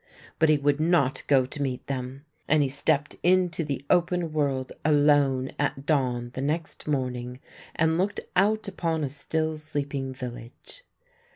But he would not go to meet them, and he stepped into the open world alone at dawn the next morning, and looked out upon a still sleeping village.